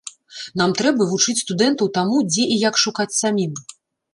Нам трэба вучыць студэнтаў таму, дзе і як шукаць самім.